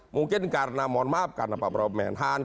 mungkin karena mohon maaf karena pak prabowo menhan